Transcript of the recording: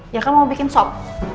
ya kamu mau bikin sop